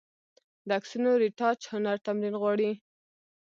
د عکسونو رېټاچ هنر تمرین غواړي.